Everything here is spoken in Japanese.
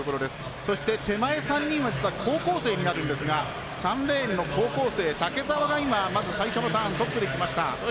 手前３人は高校生になるんですが３レーンの高校生・竹澤が最初のターントップできました。